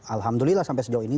alhamdulillah sampai sejauh ini